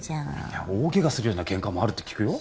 いや大けがするようなけんかもあるって聞くよ？